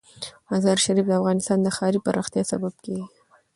مزارشریف د افغانستان د ښاري پراختیا سبب کېږي.